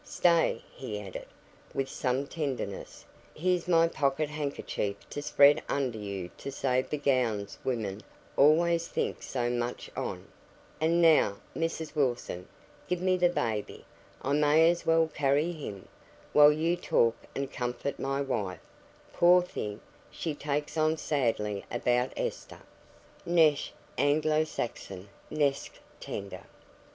Stay," he added, with some tenderness, "here's my pocket handkerchief to spread under you, to save the gowns women always think so much of; and now, Mrs. Wilson, give me the baby, I may as well carry him, while you talk and comfort my wife; poor thing, she takes on sadly about Esther." [Footnote 1: "Nesh;" Anglo Saxon, nesc, tender.